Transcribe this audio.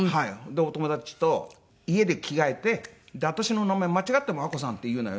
でお友達と家で着替えて私の名前間違っても「アッコさん」って言うなよと。